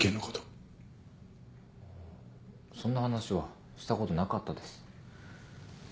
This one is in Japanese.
そんな話はしたことなかったです。